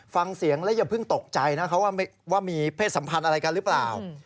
ฟังเสียงแล้วอย่าเพิ่งตกใจนะครับว่ามีเพศสัมพันธ์อะไรกันหรือเปล่า